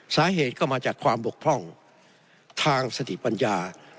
สาเหตุก็มาจากความบกพร่องทางสถิปัญญา